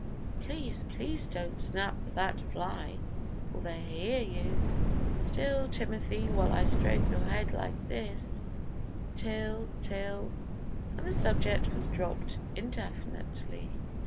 Please, please don't snap for that fly, or they'll hear you; still! still, Timothy, while I stroke your head like this, till, till " and the subject was dropped indefinitely.